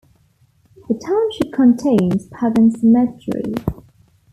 The township contains Pagan Cemetery.